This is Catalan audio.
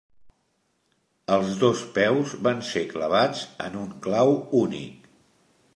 Els dos peus van ser clavats en un clau únic.